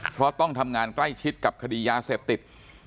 เพราะต้องทำงานใกล้ชิดกับคดียาเสพติด